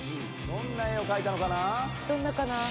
どんな絵を描いたのかな？